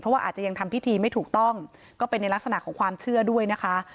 เพราะว่าอาจจะยังทำพิธีไม่ถูกต้องก็เป็นในลักษณะของความเชื่อด้วยนะคะ